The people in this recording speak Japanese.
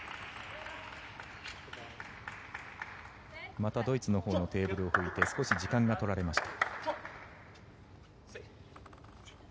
またドイツのほうもテーブルを拭いて少し時間がとられました。